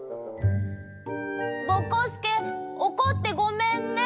ぼこすけおこってごめんね。